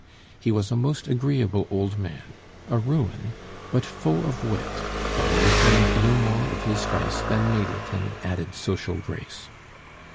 He was a most agreeable old man, a ruin, but full of wit, having retained no more of his vice than made it an added social grace.